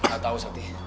aku tahu sakti